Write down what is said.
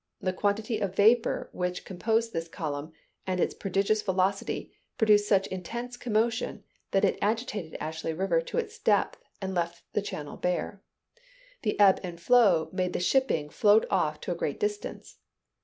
The quantity of vapor which composed this column, and its prodigious velocity, produced such intense commotion that it agitated Ashley River to its depths and left the channel bare. The ebb and flow made the shipping float off to a great distance.